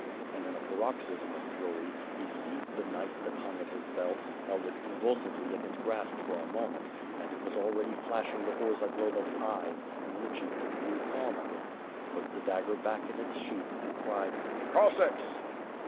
And in a paroxysm of fury, he seized the knife that hung at his belt, held it convulsively in his grasp for a moment, and it was already flashing before Zagloba^s eyes, when the chief tain grew calm again; put the dagger back in its sheath and cried: "Cossacks!"